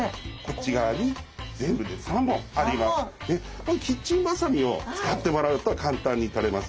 これキッチンばさみを使ってもらうと簡単に取れます。